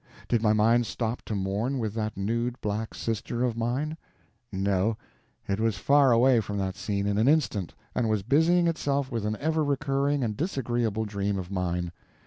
Did my mind stop to mourn with that nude black sister of mine? No—it was far away from that scene in an instant, and was busying itself with an ever recurring and disagreeable dream of mine.